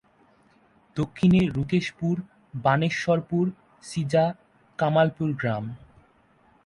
দক্ষিণে রুকেশপুর, বানেশ্বরপুর, সিজা, কামালপুর গ্রাম।